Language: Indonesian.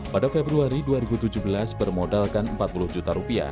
pada februari dua ribu tujuh belas bermodalkan rp empat puluh juta